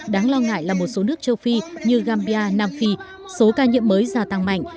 đáng lo ngại là một số nước châu phi như gambia nam phi số ca nhiễm mới gia tăng mạnh